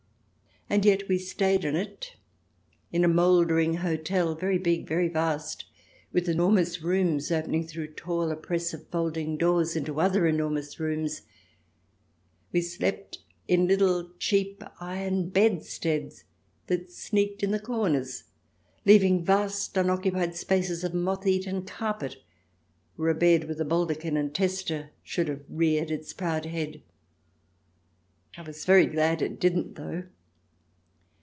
And yet we stayed in it, in a mouldering hotel, very big, very vast, with enormous rooms opening through tall oppressive folding doors into other enormous rooms ; we slept in little, cheap iron bedsteads that sneaked in the corners, leaving vast unoccupied spaces of moth eaten carpet where a bed with a baldaquin and tester should have reared its proud head. I was very glad it didn't, though